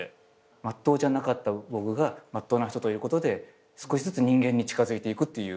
まっとうじゃなかった僕がまっとうな人といることで少しずつ人間に近づいていくっていうような感覚です。